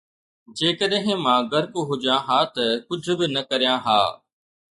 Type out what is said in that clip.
جيڪڏهن مان غرق هجان ها ته ڪجهه به نه ڪريان ها